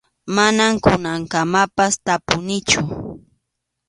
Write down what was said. Manam kunankamapas tupanichu.